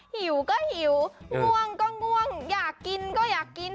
หิวก็หิวง่วงก็ง่วงอยากกินก็อยากกิน